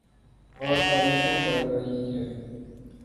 اورتاریخیں پڑ رہی ہیں۔